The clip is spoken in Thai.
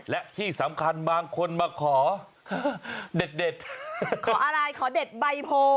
และที่สำคัญบางคนมาขอเด็ดขออะไรขอเด็ดใบโพ